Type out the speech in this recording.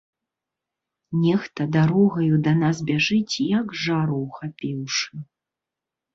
Нехта дарогаю да нас бяжыць, як жару ўхапіўшы.